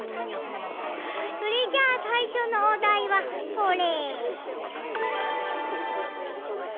それじゃあさいしょのおだいはこれ。